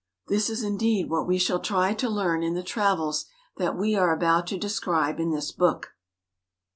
This is indeed what we shall try to learn in the travels that we are about to describe in this book.